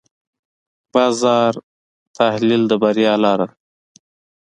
د بازار تحلیل د بریا لاره ده.